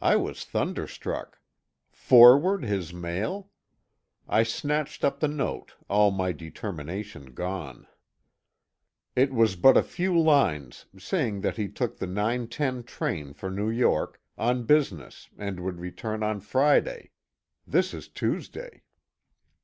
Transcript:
I was thunderstruck. Forward his mail! I snatched up the note, all my determination gone. It was but a few lines, saying that he took the 9:10 train for New York, on business, and would return on Friday this is Tuesday.